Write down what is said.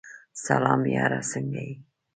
سلام یاره سنګه یی ؟